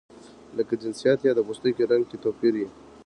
لکه جنسیت یا د پوستکي رنګ کې توپیر.